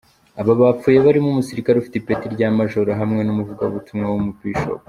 Aba bapfuye barimo umusirikare ufite ipeti rya Major hamwe n’umuvugabutumwa w’umu Bishop.